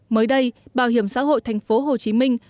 mới đây bảo hiểm xã hội thành phố hồ chí minh